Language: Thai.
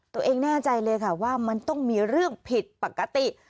แน่ใจเลยค่ะว่ามันต้องมีเรื่องผิดปกติ